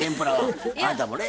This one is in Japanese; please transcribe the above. あなたもね。